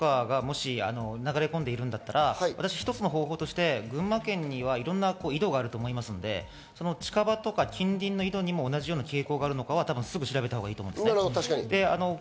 工場の汚水とかが、もし流れ込んでいるなら、一つの方法として群馬県にはいろいろ井戸があると思いますので、近場とか近隣の井戸にも同じような傾向があるかすぐ調べたほうがいいと思います。